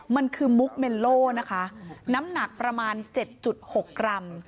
มันคือมุกเมโลนะคะน้ำหนักประมาณ๗๖กรัม